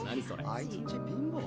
あいつんち貧乏？